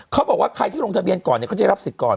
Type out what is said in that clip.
เขาบอกว่าใครที่ลงทะเบียนก่อนเขาจะรับสิทธิ์ก่อน